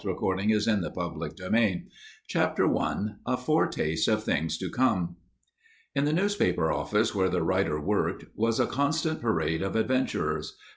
Ontario, California, December 22, 1950 Chapter I A Foretaste of Things to Come In the newspaper office where the writer worked, was a constant parade of adventurers.